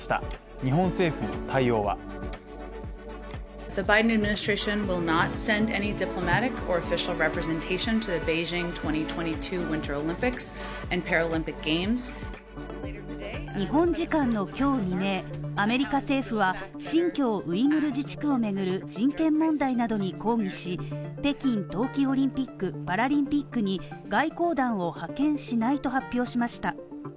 日本政府の対応は日本時間の今日未明、アメリカ政府は新疆ウイグル自治区をめぐる人権問題などに抗議し、北京冬季オリンピック・パラリンピックに外交団を派遣しないと発表しました。